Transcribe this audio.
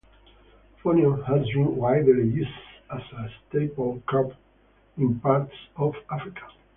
Fonio has been widely used as a staple crop in parts of Africa.